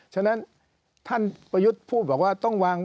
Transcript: ฉะนั้นท่านประยุทธ์ผู้บอกว่า